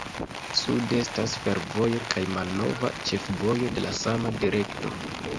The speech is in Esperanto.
Sude estas fervojo kaj malnova ĉefvojo je la sama direkto.